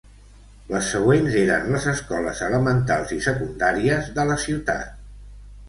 Les següents eren les escoles elementals i secundàries de la ciutat.